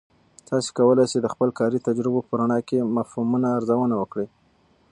تاسې کولای سئ د خپل کاري تجربو په رڼا کې مفهومونه ارزونه وکړئ.